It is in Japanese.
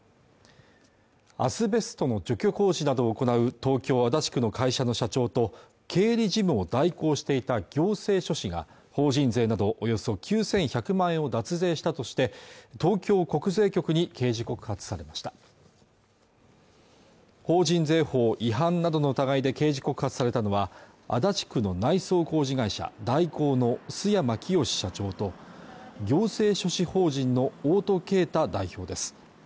アスベストの除去工事などを行う東京足立区の会社の社長と経理事務を代行していた行政書士が法人税などおよそ９１００万円を脱税したとして東京国税局に刑事告発されました法人税法違反などの疑いで刑事告発されたのは足立区の内装工事会社大光の須山潔社長と行政書士法人の大戸啓太代表です